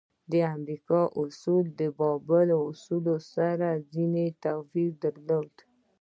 د امریکا اصول د بابل اصولو سره ځینې توپیر درلود.